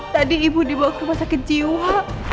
tadi ibu dibawa ke rumah sakit jiwa